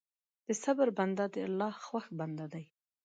د صبر بنده د الله خوښ بنده دی.